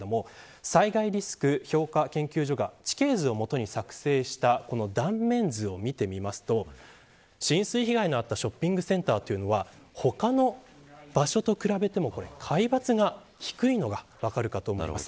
災害リスク評価研究所が地形図をもとに作成した断面図を見てみますと浸水被害のあったショッピングセンターは他の場所と比べても海抜が低いのが分かると思います。